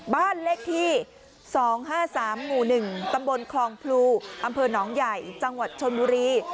บ้านเลขที่๒๕๓หมู่๑ตำบลคลองพลูอำเภอหนองใหญ่จังหวัดชนบุรี